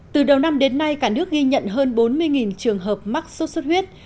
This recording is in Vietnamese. từ đầu năm đến nay cả nước ghi nhận hơn bốn mươi trường hợp mắc sốt xuất huyết